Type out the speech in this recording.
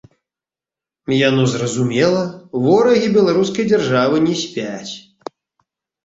Яно зразумела, ворагі беларускай дзяржавы не спяць.